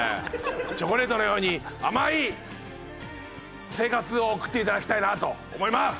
チョコレートのように甘い生活を送っていただきたいなと思います。